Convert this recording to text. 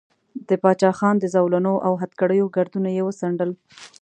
د باچا خان د زولنو او هتکړیو ګردونه یې وڅنډل.